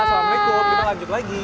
assalamualaikum kita lanjut lagi